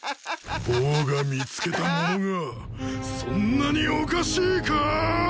ボーが見つけたものがそんなにおかしいかぁ！？